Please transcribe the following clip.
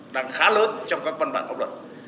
đang khá lớn trong các văn bản học luật